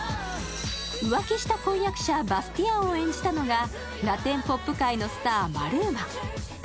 浮気した婚約者、バスティアンを演じたのがラテン・ポップ界のスター、マルーマ。